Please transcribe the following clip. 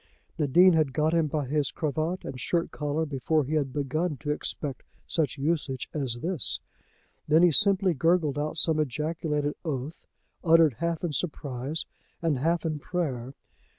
The Dean had got him by his cravat and shirt collar before he had begun to expect such usage as this. Then he simply gurgled out some ejaculated oath, uttered half in surprise and half in prayer.